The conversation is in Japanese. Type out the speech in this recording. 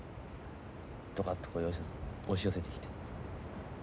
どかっと押し寄せてきて。